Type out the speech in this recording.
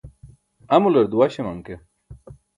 amular duwaśaman ke